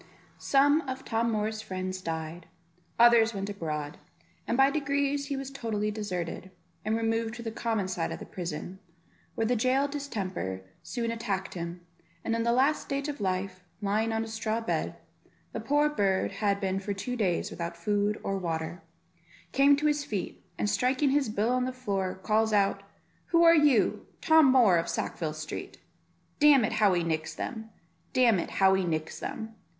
Some of Tom Moor's friends died, others went abroad, and by degrees he was totally deserted, and removed to the common side of the prison, where the jail distemper soon attacked him; and in the last stage of life, lying on a straw bed; the poor bird had been for two days without food or water, came to his feet, and striking his bill on the floor, calls out, "Who are you? Tom Moor of Sackville Street; damn it, how he nicks them, damn it, how he nicks them.